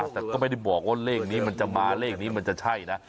แต่ก็ไม่ได้บอกว่าเลขนี้มันจะมาเลขนี้มันจะใช่นะ